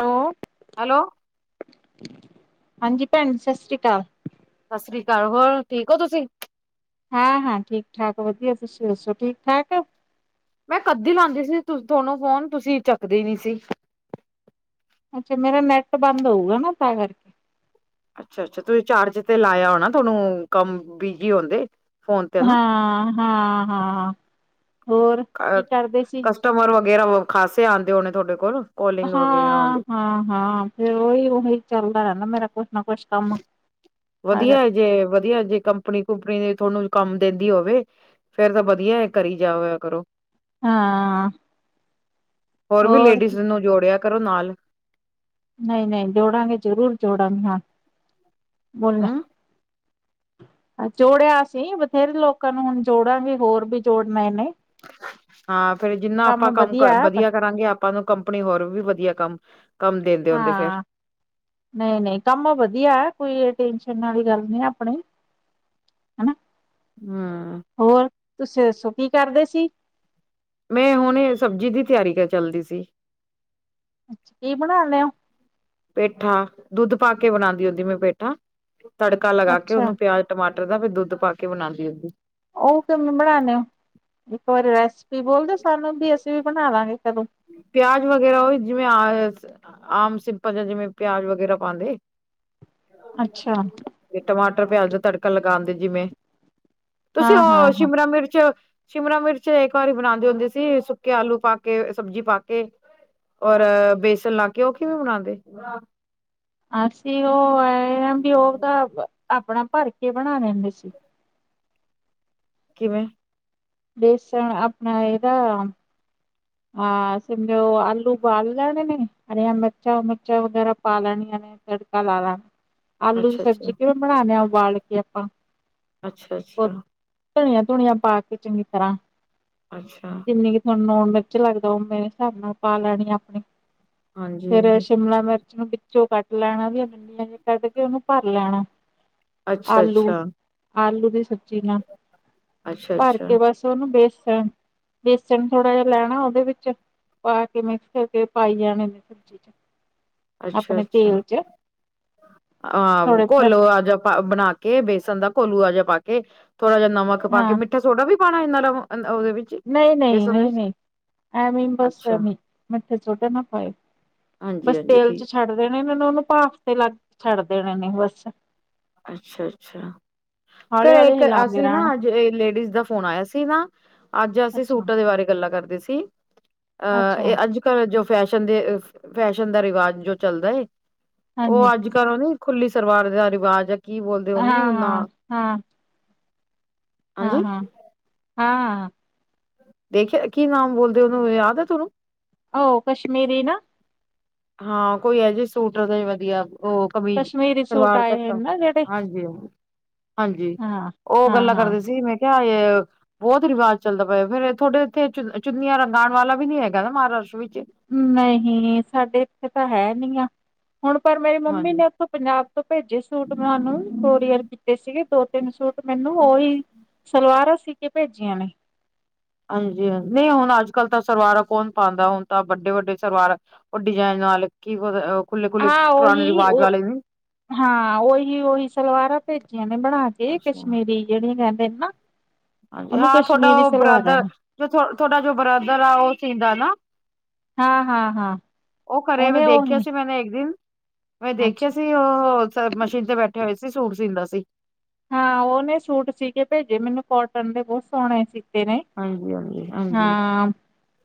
Hello hello ਹਾਂਜੀ ਭੈਣ ਸਸਿਰੀਕਾਲ ਸਸਿਰੀ ਕਾਲ ਹੋਰ ਠੀਕ ਔ ਤੁਸੀਂ ਹਾਂ- ਹਾਂ ਠੀਕ- ਠਾਕ ਵਧੀਆ, ਤੁਸੀਂ ਦੱਸੋ ਠੀਕ- ਠਾਕ ਮੈਂ ਕੱਦ ਦੀ ਲਾਂਦੀ ਸੀ ਤੁਹਾਨੂੰ ਫੋਨ ਤੁਸੀਂ ਚੱਕਦੀ ਨੀ ਸੀ। ਅੱਛਾ ਮੇਰਾ ਨੈੱਟ ਬੰਦ ਹੋਊਗਾ ਨਾ ਤਾਂ ਕਰਕੇ ਅੱਛਾ ਅੱਛਾ ਤੁਸੀਂ ਚਾਰਜ ਤੇ ਲਾਇਆ ਹੋਣਾ ਤੁਹਾਨੂੰ ਕੰਮ ਬਿਜੀ ਆਉਂਦੇ ਹਾਂ ਹਾਂ ਹਾਂ ਹੋਰ, ਕੀ ਕਰਦੇ ਸੀ। ਟਮਰ ਵਗੈਰਾ ਖਾਸੇ ਆਉਂਦੇ ਹੋਣੇ ਤੁਹਾਡੇ ਕੋਲ ਕੋਲਿੰਗ ਵਗੈਰਾ ਹਾਂ ਆਉਂਦੀ ਹਾਂ ਹਾਂ ਫੇਰ ੳਈ, ੳਹੀ ਚੱਲਦਾ ਰੈਂਦਾ ਮੇਰਾ ਕੁਛ ਨਾ ਕੁਛ। ਕੰਮ ਤਾਂ ਵਧੀਆ ਕਰਕੇ ਜੇ, ਵਧੀਆ ਜੇ ਕੰਪਨੀ ਕੰਪਨੀ ਜੇ ਤਾਨੂੰ ਕੰਮ ਦੇਂਦੀ ਹੋਵੇ ਫੇਰ ਤਾਂ ਵਧੀਆ ਕਰੀ ਜਾਵੇ ੳ ਕਰੋ। ਹਾਂ ਹੋਰ ਵੀ ਲੇਡੀਜ ਨੂੰ ਜੋੜੇਆ ਕਰੋ ਨਾਲ। ਨਈ, ਨਈ ਜੋੜਾਂਗੇ ਜਰੂਰ ਜੋੜਾਂਗੇ ਹਾਂ, ਬੋਲੇਆ ਹਮ ਜੋੜੇਆ ਅਸੀ ਬਥੇਰੇ ਲੋਕਾਂ ਨੂੰ ਹੁਣ ਜੋੜਾਂਗੇ ਹੋਰ ਵੀ ਜੋੜਨਾ ਐ, ਨਈ। ਹਾਂ ਫੇਰ ਜਿਨਾ ਆਪਾਂ ਕੰਮ ਵਧੀਆ ਕਰਾਂਗੇ, ਆਪ ਆਪਾਂ ਨੂੰ ਕੰਪਨੀ ਹੋਰ ਵੀ ਵਧੀਆ ਕੰਮ ਕੰਮ ਦਿੰਦੇ ਹੁੰਦੇ ਫੇਰ ਹਾਂ ਨਈ, ਨਈ ਕੰਮ ਵਧੀਆ, ਕੋਈ ਟੈਨਸ਼ਨ ਆਲੀ ਗੱਲ ਨਈ ਅਪਨੀ। ਹਨਾ। ਹੂੰ। ਹੋਰ ਤੁਸੀ ਦੱਸੋ ਕੀ ਕਰਦੇ ਸੀ? ਮੈਂ ਹੁਨੇ ਸਬਜੀ ਦੀ ਤਿਆਰੀ ਕ ਚੱਲਦੀ ਸੀ। ਅੱਛ ਕੀ ਬਨਾ ਲੇਆ? ਪੇਠਾ। ਦੁੱਧ ਪਾ ਕੇ ਬਨਾਦੀ ਹੁੰਦੀ ਮੈਂ ਪੇਠਾ, ਤੜਕਾ ਲਗਾ ਕੇ ਅੱਛਾ ੳਨੂੰ ਪਿਆਜ ਟਮਾਟਰ ਦਾ ਫੇਰ ਦੁੱਧ ਪਾ ਕੇ ਬਨਾਦੀ ਹੁੰਦੀ। ੳਹ ਕਿਵੇਂ ਬਨਾਨੇ ੳ? ਇੱਕ ਵਾਰੀ ਰੈਸਪੀ ਬੋਲ ਦੇ ਸਾਨੂੰ ਬੀ, ਅਸੀ ਵੀ ਬਨਾ ਲਾਂਗੇ ਕਦੋਂ। ਪਿਆਜ ਵਗੈਰਾ ੳਵੇਂ ਜਿਵੇਂ ਅਸ ਆਮ ਸਿੰਪਲ ਜਾਂ ਜਿਵੇਂ ਪਿਆਜ ਵਗੈਰਾ ਪਾਂਦੇ। ਅੱਛਾ ਤੇ ਟਮਾਟਰ ਪਿਆਜ ਦਾ ਤੜਕਾ ਲਗਾਂਦੇ ਜਿਵੇਂ। ਤੁਸੀ ੳਹ ਹਾਂ-ਹਾਂ-ਹਾਂ ਸ਼ਿਮਲਾ ਮਿਰਚ, ਸ਼ਿਮਲਾ ਮਿਰਚ ਇੱਕ ਵਾਰੀ ਬਨਾਦੇ ਹੁੰਦੇ ਸੀ ਸੁੱਕੇ ਆਲੂ ਪਾ ਕੇ ਸਬਜੀ ਪਾ ਕੇ ਔਰ ਬੇਸਨ ਲਾ ਕੇ, ੳਹ ਕਿਵੇਂ ਬਨਾਦੇ? ਅਸੀ ੳਹ ਐ ਆ ਵੀ ੳਹ ਤਾਂ ਅਪਨਾ ਭਰ ਕੇ ਬਨਾ ਲੈਂਦੇ ਸੀ। ਕਿਵੇਂ? ਬੇਸਨ ਅਪਨਾ ਏਦਾ ਹਾਂ ਸਮਝੋ ਆਲੂ ੳਬਾਲ ਲੈਨੇ ਨੇ, ਹਰੀਆਂ ਮਿਰਚਾ ਚਾ ਵਗੈਰਾ ਪਾ ਲੈਣੀਆ ਨੇ ਫੇਰ ਤੜਕਾ ਲਾ ਲਾ, ਆਲੂ ਦੀ ਅੱਛਾ ਅੱਛਾ ਸਬਜੀ ਕਿਵੇਂ ਬਨਾਨੇ ਆਂ ਉਬਾਲ ਕੇ ਆਪਾਂ ਅੱਛਾ-ਅੱਛਾ। ਧਨੀਆਂ ਧੁਨੀਆਂ ਪਾ ਕੇ ਚੰਗੀ ਤਰਾਂ ਅੱਛਾ ਜਿਨੀ ਕੀ ਤਾਨੂੰ ਲਗ ਲੱਗਦਾ ੳਵੇ ਹਸਾਬ ਨਾਲ ਪਾ ਲੈਣੀ ਅਪਨੇ ਹਾਂਜੀ ਫੇਰ ਹਾਂਜੀ ਸ਼ਿਮਲਾ ਮਿਰਚ ਨੂੰ ਵਿਚੋਂ ਕੱਟ ਲੈਣਾ ਜੇੜੀ ਡੰਡੀਆਂ ਜਿ ਕੱਢ ਕੇ ੳਨੂੰ ਭਰ ਲੈਣਾ ਅੱਛਾ ਆਲੂ। ਅੱਛਾ ਆਲੂ ਦੀ ਸਬਜੀ ਨਾਲ ਭਰ ਅੱਛਾ-ਅੱਛਾ, ਕੇ ਬਸ ਤੇੳਨੂੰ ਬੇਸਨ, ਬੇਸਨ ਥੋੜਾ ਜਾ ਲੈ ਹਾਂ ੳਦੇ ਵਿੱਚ ਪਾ ਕੇ ਮਿਕਸ ਕਰਕੇ ਪਾਈ ਜਾਣੇ ਨੇ ਸਬਜੀ ਚ। ਅੱਛਾ, ਆਪਣੇ ਤੇਲ ਅੱਛਾ। ਚ ਅਹ ਥੋੜੇ ਫ ਘੋਲੋਆ ਜਾ ਬਨਾ ਕੇ ਬੇਸਨ ਦਾ ਘੋਲੂਆ ਜਾ ਪਾ ਕੇ, ਥੋੜਾ ਜਾ ਨਮਕ ਪਾ ਕੇ, ਹਾਂ ਮਿੱਠਾ ਸੋਢਾ ਵੀ ਪਾਨਾ ਏਨਾ, ੳਦੇ ਵਿੱਚ ਨਈ ਨਈ, ਬੇਸਨ ਨਈ ਵਿੱਚ ਨਈ, ਐਂਵੀ ਬਸ ਅੱਛਾ ਐਂਵੀ ਨਈ ਮੱਠੇ ਸੋਢਾ ਨਾ ਪਾਏੳ। ਬਸ ਹਾਂਜੀ-ਹਾਂਜੀ ਤੇਲ ਚ ਠੀਕ ਛੱਡ ਦੇਨੇ ਨੇ ੳਨੂੰ ਭਾਫ ਤੇ ਲੱਗ ਛੱਡ ਦੇਨੇ ਨੇ ਬਸ। ਅੱਛਾ-ਅੱਛਾ। ਪਤਾ ਹੌਲੀ ਹੌਲੀ ਇਕ ਹਿਲਾਉਂਦੇ ਅਸੀ ਨਾ ਰਹਿਣ ਅੱਜ ਲੇਡੀਜ ਦਾ ਫੋਨ ਆਏਆ ਸੀ ਨਾ ਅੱਜ ਅਸੀ ਅੱਛਾ ਸੂਟਾਂ ਦੇ ਬਾਰੇ ਗੱਲਾਂ ਕਰਦੇ ਸੀ। ਅਹ ਅੱਛਾ ਏ ਅੱਜ-ਕੱਲ ਜੋ ਫੈਸ਼ਨ ਦੇ ਫੈਸ਼ਨ ਦਾ ਰਿਵਾਜ ਜੋ ਚੱਲਦਾ ਏ ਹਾਂਜੀ ੳਹ ਅੱਜ-ਕੱਲ ਨੀ ਖੁੱਲੀ ਸਲਵਾਰ ਦਾ ਰਿਵਾਜ ਏ, ਕੀ ਬੋਲਦੇ ਉਹਨੂੰ ਨਾ ਹਾਂ-ਹਾਂ-ਹਾਂ। ਹਾਂਜੀ ਹਾਂ-ਹਾਂ-ਹਾਂ-ਹਾਂ। ਦੇਖਿਆ ਕੀ ਨਾਮ ਬੋਲਦੇ ਉਹਨੂੰ, ਯਾਦ ਏ, ਤੁਹਾਨੂੰ? ਓ ਕਸ਼ਮੀਰੀ ਨਾ। ਹਾਂ, ਕੋਈ ਇਹ ਜੇ ਸੂਟਦਾ ਵਧੀਆ, ਉਹ ਕਬੀ, ਕਸ਼ਮੀਰੀ ਸੂਟ ਸਰਵਾਰ ਆਏ ਹੋਏ ਤੱਕ ਨਾ ਜਿਹੜੇ ਹਾਂਜੀ ਹ ਹਾਂਜੀ, ਹਾਂ ਉਹ ਹਾਂ ਗੱਲਾਂ ਹਾਂ ਕਰਦੇ ਸੀ ਮੈਂ ਕਿਹਾ ਬਹੁਤ ਰਿਵਾਜ਼ ਚੱਲਦਾ ਪਿਆ, ਫੇਰ ਥੋਡੇ ਇੱਥੇ ਚ, ਚੁੰਨੀਆਂ ਰੰਗਾਣ ਵਾਲਾ ਵੀ ਨੀ ਹੈਗਾ ਨਾ, ਮਹਾਰਾਸ਼ਟਰ ਵਿੱਚ? ਨਹੀਂ, ਸਾਡੇ ਇੱਥੇ ਤਾਂ ਹੈ ਨੀ ਆ, ਹੁਣ ਪਰ ਮੇਰੀ ਮੰਮੀ ਹਾਂਜੀ ਨੇ ਉੱਥੋਂ ਪੰਜਾਬ ਤੋਂ ਭੇਜੇ ਸੂਟ ਮੈਂ ਉਹਨੂੰ, ਕੋਰੀਅਰ ਕੀਤੇ ਸੀਗੇ ਦੋ-ਤਿੰਨ ਸੂਟ ਮੈਨੂੰ, ਉਹੀ ਸਲਵਾਰਾਂ ਸੀਕੇ ਭੇਜੀਆਂ ਨੇ। ਹਾਂਜੀ, ਹਾਂ, ਨਹੀਂ ਹੁਣ ਅੱਜ-ਕੱਲ ਤਾਂ ਸਰਵਾਰਾ ਕੌਣ ਪਾਂਦਾ ਹੁਣ ਤਾਂ ਵੱਡੇ-ਵੱਡੇ ਸਰਵਾਰ ਉਹ ਡਿਜਾਇਨ ਨਾਲ ਕੀ ਖੁੱਲੇ ਖੁੱਲੇ ਹਾਂ, ਪੁਰਾਣੇ ਓਹੀ, ਰਿਵਾਜ ਉਹ ਵਾਲੇ ਨੇ ਹਾਂ, ਓਹੀ-ਓਹੀ ਸਲਵਾਰਾਂ ਭੇਜੀਆਂ ਨੇ ਬਣਾਕੇ ਅੱਛਾ ਕਸ਼ਮੀਰੀ। ਜਿਹੜੀਆਂ ਕਹਿੰਦੇ ਨੇ ਨਾ। ਉਹਨੂੰ ਹਾਂਜੀ-ਹਾਂ, ਥੋਡਾ ਕਸ਼ਮੀਰੀ ਉਹ ਸਲਵਾਰਾਂ ਨੇ ਬ੍ਰਦਰ, ਜੋ ਤੁਹਾਡਾ ਜੋ ਬ੍ਰਦਰ ਆ ਉਹ ਸੀਂਦਾ ਨਾ। ਹਾਂ-ਹਾਂ-ਹਾਂ ਉਹ ਘਰੇ ਮੈਂ ਉਹਨੇ ਦੇਖਿਆ ਉਹੀ ਸੀ ਮੈਂਨੇ ਇਕ ਦਿਨ। ਮੈਂ ਦੇਖਿਆ ਅੱਛਾ ਸੀ ਉਹ ਮਸ਼ੀਨ ਤੇ ਬੈਠੇ ਹੋਏ ਸੀ, ਸੂਟ ਸੀਂਦਾ ਸੀ। ਹਾਂ, ਉਹਨੇ ਸੂਟ ਸੀਕੇ ਭੇਜੇ ਮੈਨੂੰ ਕੋਟਨ ਦੇ, ਬਹੁਤ ਸੋਹਣੇ ਸੀ। ਹਾਂਜੀ ਹਾਂਜੀ ਹਾਂਜੀ। ਹਾਂ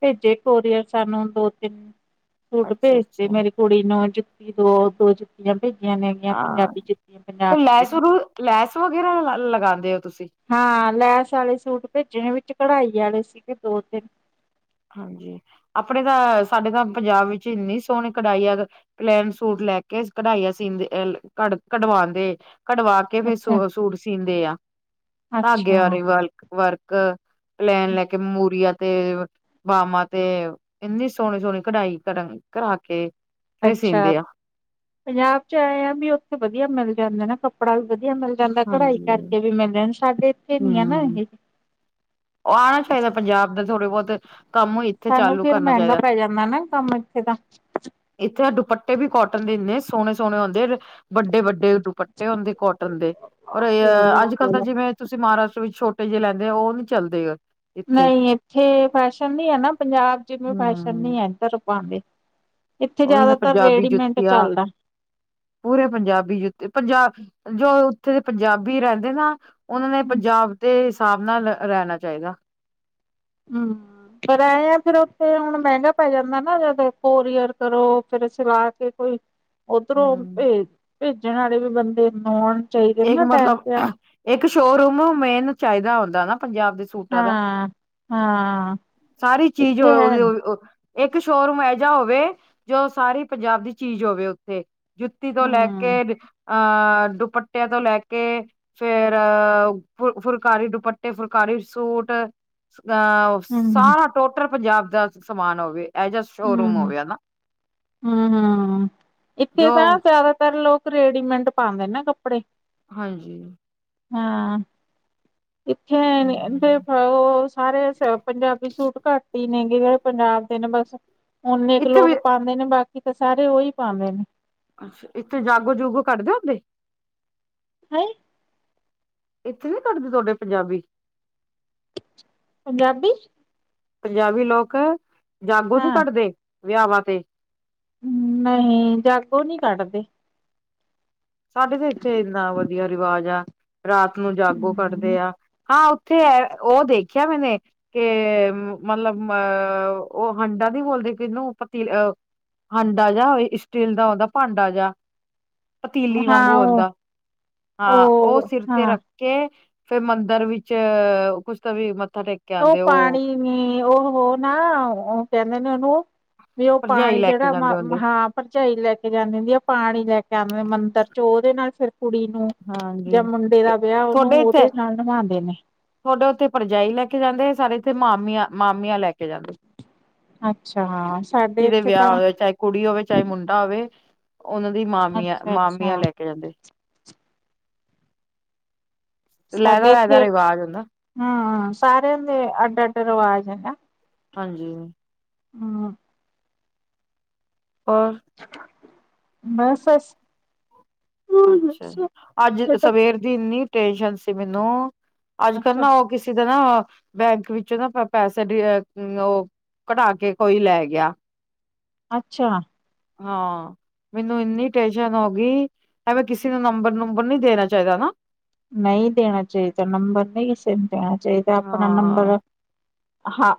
ਭੇਜੇ ਕੋਰੀਅਰ ਸਾਨੂੰ ਦੋ-ਤਿੰਨ ਸੂਟ ਅੱਛਾ ਭੇਜਤੇ, ਅੱਛਾ ਮੇਰੀ ਥੋੜੀ ਨ ਜੁੱਤੀ ਦੋ, ਦੋ ਜੁੱਤੀਆਂ ਭੇਜੀਆਂ ਨੇ ਗੀਆਂ ਹਾਂ ਪੰਜਾਬੀ ਜੁੱਤੀਆਂ ਤੇ ਪੰਜਾਬ'ਚ। ਲੈਸ ਰੂ ਲੈਸ ਵਗੈਰਾ ਲ ਲਗਾਂਦੇ ਓ ਤੁਸੀਂ? ਹਾਂ, ਲੈਸ ਵਾਲੇ ਸੂਟ ਭੇਜੇ ਨੇ, ਵਿੱਚ ਘਢਾਈ ਵਾਲੇ ਸੀਗੇ ਦੋ-ਤਿੰਨ। ਹਾਂਜੀ, ਆਪਣੇ ਤਾਂ, ਸਾਡੇ ਤਾਂ ਪੰਜਾਬ ਵਿੱਚ ਇੰਨੀ ਸੋਹਣੀ ਕਢਾਈਆਂ ਦਾ ਪਲੇਨ ਸੂਟ ਲੈਕੇ ਕਢਾਈਆਂ ਸੀਂਦੇ, ਕ ਕਢਵਾਂਦੇ, ਕਢਵਾ ਕੇ ਫਿਰ ਸੂ ਸੂਟ ਸੀਂਦੇ ਆ, ਧਾਗੇ ਆਲੇ ਅੱਛਾ-ਅੱਛਾ-ਅੱਛਾ ਵਰਕ, ਵਰਕ। ਪਲੈਨ ਲੈਕੇ ਮੂਰੀਆਂ ਤੇ ਬਾਮਾਂ ਤੇ, ਇੰਨੀ ਸੋਹਣੀ-ਸੋਹਣੀ ਘਢਾਈ ਕਰਨ, ਕਰਾਕੇ। ਅੱਛਾ, ਪੰਜਾਬ 'ਚ ਆਂਏ ਆ ਵੀ ਉੱਥੇ ਵਧੀਆ ਮਿਲ ਜਾਂਦੇ ਨਾ ਕੱਪ ਕੱਪੜਾ ਵੀ ਵਧੀਆ ਮਿਲ ਜਾਂਦਾ, ਘਢਾਈ ਹਾਂਜੀ ਕਰਕੇ ਵੀ ਮਿਲ ਜਾਂ ਸਾਡੇ ਇੱਥੇ ਨੀ ਆ ਨਾ ਹੂੰ, ਇਹ। ਆਣਾ ਚਾਹੀਦਾ ਪੰਜਾਬ ਦੇ ਥੋੜੇ ਬਹੁਤ ਕੰਮ ਇੱਥੇ ਸਾਨੂੰ ਚਾਲੂ ਫੇਰ ਕਰਨਾ ਮਹਿੰਗਾ ਚਾਹੀਦਾ। ਪੈ ਜਾਂਦਾ ਨਾ ਕੰਮ, ਇੱਥੇ ਤਾਂ। ਇੱਥੇ ਦੁਪੱਟੇ ਵੀ ਕੌਟਨ ਦੇ, ਇੰਨੇ ਸੋਹਣੇ-ਸੋਹਣੇ ਹੁੰਦੇ ਵੱਡੇ-ਵੱਡੇ ਪੱਟੇ ਹੁੰਦੇ ਕੋਟਨ ਦੇ, ਔਰ ਅੱਜ-ਕੱਲ ਤਾਂ ਜਿਵੇਂ ਤੁਸੀਂ ਮਹਾਰਾਸ਼ਟਰ ਵਿੱਚ ਛੋਟੇ ਜਿਹੇ ਲੈਂਦੇ, ਉਹ ਨੀ ਚੱਲਦੇ ਗ। ਨਹੀਂ ਇੱਥੇ ਫੈਸ਼ਨ ਨੀ ਐ ਨਾ, ਪੰਜਾਬ ਜਿਵੇਂ ਫੈਸ਼ਨ ਹੂੰ। ਨੀ ਐ ਇਧਰ ਪਾਂਦੇ। ਓਈ ਨਾ ਪੰਜਾਬੀ ਜੁੱਤੀਆ। ਪੂਰੇ ਪੰਜਾਬੀ ਜੁੱਤੇ, ਪੰਜਾਬ, ਜੋ ਉੱਥੇ ਦੇ ਪੰਜਾਬੀ ਰਹਿੰਦੇ ਨਾ ਉਹਨਾਂ ਨੇ ਪੰਜਾਬ ਦੇ ਹਿਸਾਬ ਨਾਲ ਰਹਿਣਾ ਚਾਹੀਦਾ। ਹੰ ਪਰ ਐ ਆਂ ਫਿਰ ਉੱਥੇ ਹੁਣ ਮਹਿੰਗਾ ਪੈ ਜਾਂਦਾ ਨਾ, ਜਦ ਕੋਰੀਅਰ ਕਰੋ ਫਿਰ ਸਿਲਾਕੇ ਕੋਈ ਉੱਧਰੋਂ ਹੂੰ। ਭੇਜ, ਭੇਜਣ ਵਾਲੇ ਵੀ ਬੰਦੇ ਹੋਣ। ਚਾਹੀਦੇ ਇੱਕ ਨਾ ਟੈਮ ਮਤਲਬ ਤੇ। ਇੱਕ ਸ਼ੋਅਰੂਮ ਮੇਨ ਚਾਹੀਦਾ ਹੁੰਦਾ ਨਾ, ਪੰਜਾਬ ਵਿਚ। ਸੂਟਾਂ ਦਾ, ਹਾਂ। ਹਾਂ ਸਾਰੀ ਚੀਜ਼ ਓ, ਇੱਥੇ ਹੈ ਓਈਓ, ਨੀ ਓ। ਇੱਕ ਸ਼ੋਰੂਮ ਐ ਜਿਆ ਹੋਵੇ ਜੋ ਸਾਰੀ ਪੰਜਾਬ ਦੀ ਚੀਜ਼ ਹੋਵੇ ਓੱਥੇ ਜੁੱਤੀ ਤੋਂ ਲੈ ਹਮ ਕੇ ਕੇ ਅ ਦੁਪੱਟਿਆਂ ਤੋਂ ਲੈ ਕੇ ਫੇਰ ਅ ਫੁ ਫੁਲਕਾਰੀ ਦੁਪੱਟੇ ਫੁਲਕਾਰੀ ਸੂਟ ਅ ਹਮ ਸਾਰਾ ਟੋਟਲ ਪੰਜਾਬ ਦਾ ਸਮਾਨ ਹੋਵੇ। ਇਹ ਜਿਹਾ ਸ਼ੋਰੂਮ ਹੂੰ-ਹੂੰ, ਹੋਵੇ ਹਨਾ ਹੂੰ, ਹੂੰ, ਹੂੰ ਇੱਥੇ ਜੋ ਤਾਂ ਜੈਦਾਤਰ ਲੋਕ ਰੇਡੀਮੇਂਟ ਪਾਂਦੇ ਨੇ ਕੱਪੜੇ। ਹਾਂਜੀ। ਹਾਂ, ਇੱਥੇ ਐਂਦੇ ਅ ਹਮ ਓਓ ਸਾਰੇ ਸ ਪੰਜਾਬੀ ਸੂਟ ਘੱਟ ਈ ਨੇਗੇ ਜੇੜੇ ਪੰਜਾਬ ਦੇ ਨੇ ਬਸ ਓਨੇ ਕੁ ਇੱਥੇ ਵੀ ਲੋਕ ਪਾਂਦੇ ਨੇ ਬਾਕੀ ਤਾਂ ਸਾਰੇ ਓਹੀ ਪਾਂਦੇ ਨੇ। ਅੱਛਾ, ਇੱਥੇ ਜਾਗੋ-ਜੁਗੋ ਕੱਢਦੇ ਹੁੰਦੇ। ਨਈ। ਇੱਥੇ ਨੀ ਕੱਢਦੀ ਤੁਆਡੇ ਪੰਜਾਬੀ। ਪੰਜਾਬੀ? ਪੰਜਾਬੀ ਲੋਕ ਜਾਗੋ ਨੀ ਹਾਂ ਕੱਢਦੇ ਵਿਆਵਾਂ ਤੇ। ਨਹੀਂ ਜਾੱਗੋ ਨੀ ਕੱਢਦੇ। ਸਾਡੇ ਤੇ ਇੱਥੇ ਇੰਨਾ ਵਦੀਆ ਰਿਵਾਜ ਆ ਰਾਤ ਨੂੰ ਜਾਗੋ ਕੱਢ ਤੇਆ ਹਾਂ, ਉੱਥੇ ਹੈ ਓ ਦੇਖਿਆ ਮੈਨੇ ਕੇ ਮਤਲਬ ਅ ਓ ਹੰਡਾ ਦੀ ਬੋਲਦੇ ਕਿਨੂੰ ਪਤੀ ਹਾਂਡਾ ਜਾ ਏ ਸਟੀਲ ਦਾ ਹੂੰਦਾ ਭਾਂਡਾ ਜਾ ਪਤੀਲੀ ਹਾਂ ਵਾਂਗੂ ਉਹ ਓਂਦਾ ਹਾਂ ਓ ਉਹ ਸਿਰ ਤੇ ਹਾਂ ਰੱਖ ਕੇ ਫੇਰ ਮੰਦਿਰ ਵਿੱਚ ਕੁਛ ਤਾਂ ਵੀ ਮੱਥਾ ਟੇਕ ਕੇ ਓ ਆਉਂਦੇ ਉਹ ਪਾਣੀ ਨੇ ਓਹੋਹੋ ਨਾ ਓ ਕੈਂਦੇ ਨੇ ਓਨੂੰ ਵੀ ਓ ਭਰਜਾਈ ਪਾਣੀ ਲੈ ਕੇ ਜੇੜਾ ਮ ਜਾਂਦੇ ਹੁੰਦੇ ਮਹਾਂ ਪਰਜਾਈ ਲੈ ਕੇ ਜਾਂਦੀ ਹੁੰਦੀ ਆ ਪਾਣੀ ਲੈ ਕੇ ਆਂਦੇ ਮੰਦਿਰ ਚੋ ਓਦੇ ਨਾਲ ਫਿਰ ਕੁੜੀ ਨੂੰ ਹਾਂਜੀ ਜਾਂ ਮੁੰਡੇ ਦਾ ਵਿਆ ਓਨੂੰ ਓਦੇ ਨਾਲ ਨਿਵੌਦੇ ਨੇ। ਤੁਆਡੇ ਓੱਥੇ ਪਰਜਾਈ ਲੈ ਕੇ ਜਾਂਦੇ ਸਾਡੇ ਇੱਥੇ ਮਾਮੀਆਂ-ਮਾਮੀਆਂ ਲੈ ਕੇ ਜਾਂਦੇ, ਅੱਛਾ ਹਾਂ ਸਾਡੇ ਜਿਦੇ ਇੱਥੇ ਵਿਆ ਤਾਂ ਹੋਆ ਚਾਏ ਕੁੜੀ ਹੋਵੇ ਚਾਏ ਮੁੰਡਾ ਹੋਵੇ ਓਨਾਂ ਦੀ ਅੱਛਾ ਮਾਮੀਆਂ-ਮਾਮੀਆਂ ਅੱਛਾ ਲੈ ਕੇ ਜਾਂਦੇ। ਲਹਿਦਾ ਸਾਡੇ ਲਹਿਦਾ ਇੱਥੇ ਰਿਵਾਜ ਹੁੰਦਾ ਹੂੰ ਸਾਰਿਆਂ ਦੇ ਅੱਡ-ਅੱਡ ਰਿਵਾਜ ਹੈ ਨਾ। ਹਾਂਜੀ। ਹੂੰ। ਓਰ ਬਸ-ਬਸ। ਅੱਛਾ ਜੀ, ਆੱਜ ਸਵੇਰ ਦੀ ਇੰਨੀ ਟੇਨਸ਼ਨ ਸੀ ਮੈਨੂੰ ਆੱਜ-ਕੱਲ ਅੱਛਾ ਨਾ ਓ ਕਿਸੇ ਦਾ ਨਾ ਬੈਂਕ ਵਿੱਚ ਨਾ ਪ ਪੈਸੇ ਦੀ ਏੱਕ ਓ ਘਟਾ ਕੇ ਕੋਈ ਲੈ ਗਿਆ। ਅੱਛਾ! ਹਾਂ, ਮੈਨੂੰ ਇੰਨੀ ਟੈਨਸ਼ਨ ਹੋਗੀ ਐਵੇ ਕਿਸੇ ਦਾ ਨੰਬਰ-ਨੂੰਬਰ ਨੀ ਦੇਨਾ ਚਾਈਦਾ ਨਾ। ਨਈ ਦੇਨਾ ਚਾਈਦਾ ਨੰਬਰ ਨਈ ਸੇ ਦੇਨਾ ਚਾਈਦਾ ਅਪਨਾ ਹਾਂ ਨੰਬਰ। ਹਾਂ,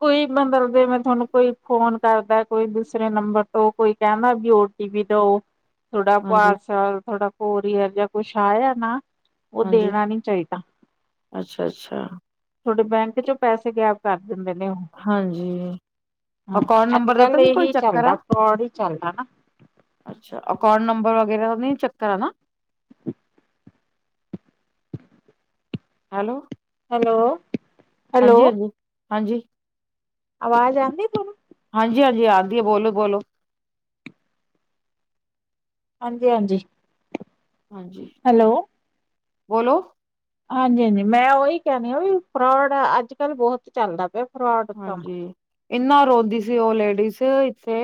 ਕੋਈ ਮਤਲ ਦੇ ਮੈਂ ਤੁਆਨੂੰ ਕੋਈ ਫੋਨ ਕਰਦੈ ਕੋਈ ਦੂਸਰੇ ਨੰਬਰ ਤੋਂ ਕੋਈ ਕੈਂਦਾ ਵੀ ਓਟੀ ਪੀ ਦਓ ਤੋਡਾ ਹਾਂਜੀ ਪਾਰਸਲ ਤੋਡਾ ਕੋਰੀਅਰ ਜਾ ਕੁਛ ਆਯਯ ਨਾ ਉਹ ਹਾਂਜੀ ਦੇਣਾ ਨੀ ਚਾਹੀਦਾ ਅੱਛਾ ਅੱਛਾ ਤੁਹਾਡੇ ਬੈਂਕ ਚੋਂ ਪੈਸੇ ਗੈਪ ਕਰ ਦਿੰਦੇ ਨੇ ਉਹ ਹਾਂਜੀ ਹਾਂ ਅਕਾਊਂਟ ਅੱਜ ਨੰਬਰ ਦਾ ਕੱਲ ਤਾਂ ਨੀ ਕੋਈ ਇਹੀ ਚੱਕਰ ਆ ਚੱਲਦਾ ਫਰੋਡ ਹੀ ਚੱਲਦਾ ਨਾ ਅੱਛਾ ਅਕਾਊਂਟ ਨੰਬਰ ਵਗੈਰਾ ਦਾ ਨਹੀਂ ਚੱਕਰ ਆ ਨਾ ਹੈਲੋ ਹੈਲੋ ਹਾਂਜੀ ਹੈਲੋ ਹਾਂਜੀ ਹਾਂਜੀ ਆਵਾਜ਼ ਆਉਂਦੀ ਤੁਹਾਨੂੰ ਹਾਂਜੀ ਹਾਂਜੀ ਆਉਂਦੀ ਹੈ ਬੋਲੋ ਬੋਲੋ ਹਾਂਜੀ ਹਾਂਜੀ ਹਾਂਜੀ ਹੈਲੋ ਬੋਲੋ ਹਾਂਜੀ ਹਾਂਜੀ ਮੈਂ ਉਹੀ ਕਹਿਣੀ ਆ ਵੀ ਫਰੋਡ ਅੱਜ ਕੱਲ ਬਹੁਤ ਚੱਲਦਾ ਪਿਆ ਫਰੋਡ ਕੰਮ ਹਾਂਜੀ ਇੰਨਾ ਰੋਂਦੀ ਸੀ ਉਹ ਲੇਡੀਜ਼ ਇੱਥੇ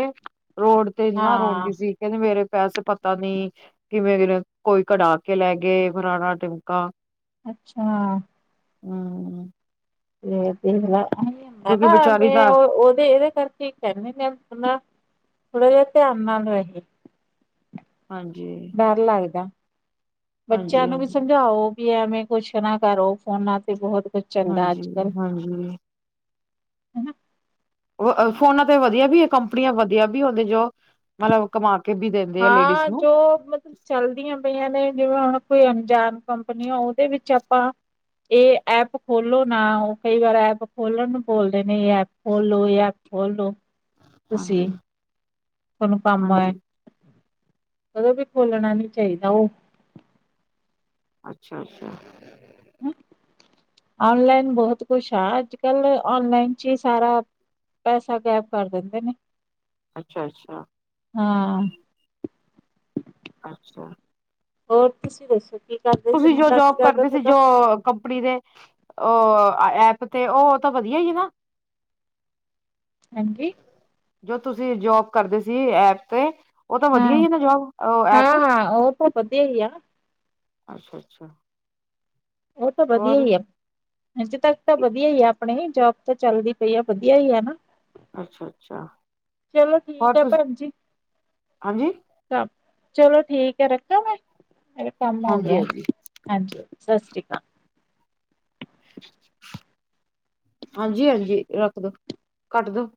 ਰੋਡ ਤੇ ਇੰਨਾ ਹਾਂ ਰੋਂਦੀ ਸੀ ਕਹਿੰਦੇ ਮੇਰੇ ਪੈਸੇ ਪਤਾ ਨਈ ਕਿਵੇਂ ਦਿਨ ਕੋਈ ਕਢਾ ਕੇ ਲੈ ਗਏ ਫਰਾਣਾ ਟਿਮਕਾ ਅੱਛਾ ਹੂੰ ਤੇ ਦੇਖਲਾ ਕਿਉਂਕਿ ਹੈਨਾ ਵਿਚਾਰੀ ਮੈਂ ਤਾਂ ਉਹ ਉਹਦੇ ਇਹਦੇ ਕਰਕੇ ਕਹਿਨੇ ਆ ਆਪਣਾ ਥੋੜਾ ਜਿਹਾ ਧਿਆਨ ਨਾ ਰਹੇ। ਹਾਂਜੀ ਡਰ ਲੱਗਦਾ ਬੱਚਿਆਂ ਹਾਂਜੀ ਨੂੰ ਵੀ ਹਾਂਜੀ ਸਮਝਾਓ ਵੀ ਐਵੇਂ ਕੁਛ ਨਾ ਕਰੋ ਫੋਨਾਂ ਤੇ ਬਹੁਤ ਕੁਛ ਚੱਲਦਾ ਅੱਜ ਕੱਲ ਤੂੰ ਹੀ ਹਨਾ ਆ ਫੋਨਾਂ ਤੇ ਵਧੀਆ ਵੀ ਹੈ ਕੰਪਨੀਆਂ ਵਧੀਆ ਵੀ ਹੁੰਦੇ ਜੋ ਮਤਲਬ ਕਮਾ ਕੇ ਵੀ ਦਿੰਦੇ ਆ ਲੇਡੀਜ਼ ਹਾਂ ਨੂੰ ਜੋ ਮਤਲਬ ਚੱਲਦੀਆਂ ਪਈਆਂ ਨੇ ਜਿਵੇਂ ਹੁਣ ਕੋਈ ਅਣਜਾਨ ਕੰਪਨੀ ਉਹਦੇ ਵਿੱਚ ਆਪਾਂ ਇਹ ਐਪ ਖੋਲੋ ਨਾ ਉਹ ਕਈ ਵਾਰ ਐਪ ਖੋਲਣ ਨੂੰ ਬੋਲਦੇ ਨੇ ਐਪ ਖੋਲੋ ਇਹ ਐ ਖੋਲੋ ਤੁਸੀਂ ਹਾਂਜੀ ਤੁਹਾਨੂੰ ਕੰਮ ਹਾਂਜੀ ਆਏ ਕਦੇ ਵੀ ਖੋਲਣਾ ਨਈ ਚਾਹੀਦਾ ਉਹ ਅੱਛਾ ਅੱਛਾ ਔਨਲਾਈਨ ਬਹੁਤ ਕੁਛ ਆ ਅੱਜ ਕੱਲ ਔਨਲਾਈਨ ਚ ਹੀ ਸਾਰਾ ਪੈਸਾ ਗਾਇਬ ਕਰ ਦਿੰਦੇ ਨੇ ਅੱਛਾ ਅੱਛਾ- ਹਾਂ ਅੱਛਾ ਔਰ ਤੁਸੀਂ ਦੱਸੋ ਕਿ ਤੁਸੀਂ ਜੋ ਜੋਬ ਕਰਦੇ ਸੀ ਜੋ ਕੰਪਨੀ ਦੇ ਉਹ ਐਪ ਤੇ ਉਹ ਤਾਂ ਵਧੀਆ ਹੀ ਨਾ ਹਾਂਜੀ ਜੋ ਤੁਸੀਂ ਜੋਬ ਕਰਦੇ ਸੀ ਐਪ ਤੇ ਉਹ ਤਾਂ ਵਧੀਆ ਹੀ ਹੈ ਨਾ ਜੋਬ ਅ ਐਪ ਹੋ ਵਧਿਆ ਆ ਅੱਛਾ ਅੱਛਾ ਉਹ ਤਾਂ ਵਧੀਆ ਹੀ ਆ ਅੱਜੇ ਤੱਕ ਤਾਂ ਵਧੀਆ ਹੀ ਆ ਆਪਣੇ ਜੋਬ ਤਾਂ ਚੱਲਦੀ ਪਈ ਆ ਵਧੀਆ ਹੀ ਹੈ ਨਾ ਅੱਛਾ-ਅੱਛਾ। ਚਲੋ ਠੀਕ ਹੋਰ ਆ ਤੁਸੀਂ ਭੈਨ ਜੀ। ਸਭ ਚਲੋ ਠੀਕ ਐ ਰੱਖਾ ਮੈਂ, ਮੇਰਾ ਕੰਮ ਹੋ ਗਿਆ। ਹਾਂਜੀ-ਹਾਂਜੀ-ਹਾਂਜੀ, ਹਾਂਜੀ ਸਸ਼੍ਰੀ ਕਾਲ। ਹਾਂਜੀ-ਹਾਂਜੀ ਰੱਖਦੋ, ਕੱਟ ਦੋ।